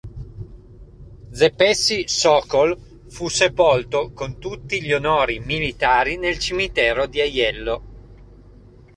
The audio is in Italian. Szepessy-Sokoll fu sepolto con tutti gli onori militari nel cimitero di Aiello.